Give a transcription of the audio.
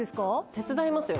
手伝いますよ。